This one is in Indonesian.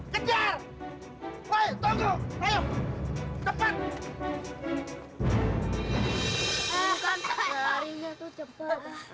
kejar kejar hai toko ayo cepat